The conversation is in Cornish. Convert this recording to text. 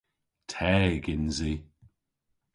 Teg yns i.